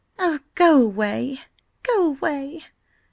"Oh, go away!–go away!"